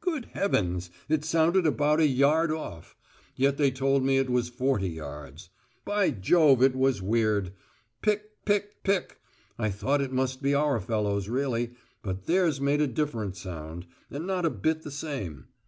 Good heavens, it sounded about a yard off. Yet they told me it was forty yards. By Jove, it was weird. 'Pick ... pick ... pick.' I thought it must be our fellows really, but theirs made a different sound, and not a bit the same.